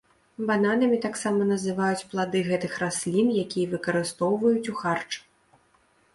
Бананамі таксама называюць плады гэтых раслін, якія выкарыстоўваюць у харч.